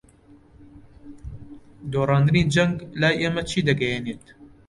دۆڕاندنی جەنگ لای ئێمە چی دەگەیەنێت؟